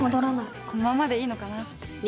このままでいいのかなって。